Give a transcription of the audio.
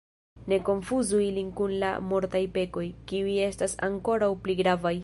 Ne konfuzu ilin kun la mortaj pekoj, kiuj estas ankoraŭ pli gravaj.